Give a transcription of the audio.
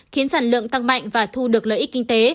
khiến sản lượng tăng mạnh và thu được lợi ích kinh tế